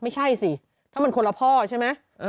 ไม่ใช่สิถ้ามันคนละพ่อใช่ไหม